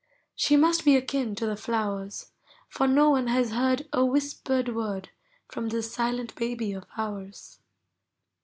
She must be akin to the flowers, For no one has heard A whispered word From this silent baby of ours.